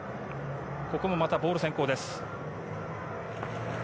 ここも、またボール先行です。